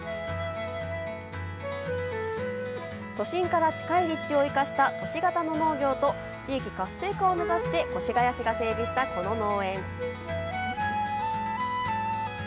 都心から近い立地を生かした都市型の農業と地域活性化を目指して越谷市が整備した、この農園。